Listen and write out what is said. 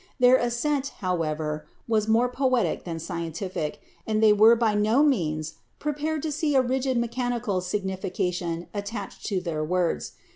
Their assent, however, was more poetic than scientific, and they were by no means prepared to see a rigid mechanical signification attached to their words.